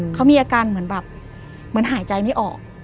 เขามีอาการเหมือนหายใจไม่ออก